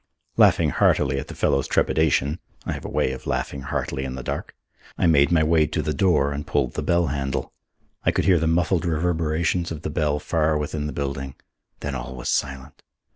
Laughing heartily at the fellow's trepidation (I have a way of laughing heartily in the dark), I made my way to the door and pulled the bell handle. I could hear the muffled reverberations of the bell far within the building. Then all was silent.